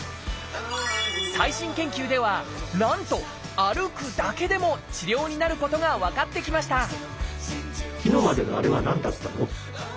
最新研究ではなんと歩くだけでも治療になることが分かってきました